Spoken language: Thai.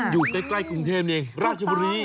อยู่ใกล้กรุงเทพเองราชบุรี